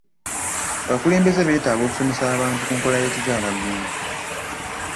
Abakulembeze beetaaga okusomesa abantu ku nkola z'ekizaala ggumba.